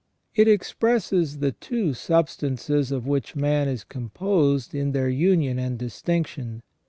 It expresses the two substances of which man is composed in their union and distinction.